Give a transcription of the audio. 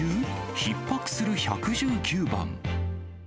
ひっ迫する１１９番。